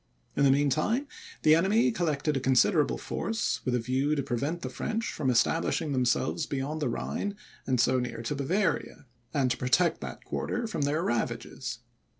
In the mean time, the enemy collected a considerable force, with a view to prevent the French from establishing themselves beyond the Rhine and so near to Bavaria, and to protect that quarter from their ravages.